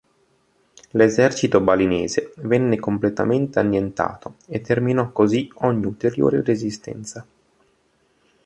L'esercito balinese venne completamente annientato e terminò così ogni ulteriore resistenza.